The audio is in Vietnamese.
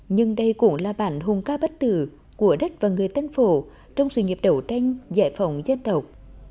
nhưng đây cũng là bản hùng ca bất tử của đất và người tân phổ trong sự nghiệp đấu tranh giải phóng dân tộc